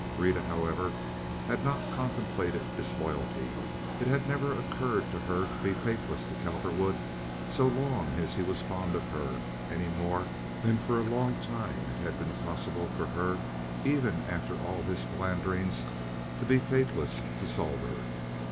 Rita, however, had not contemplated disloyalty—it had never occurred to her to be faithless to Cowperwood so long as he was fond of her any more than for a long time it had been possible for her, even after all his philanderings, to be faithless to Sohlberg.